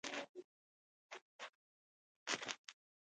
هغه وغوښتل چې زه د سامان قیمت هم وټاکم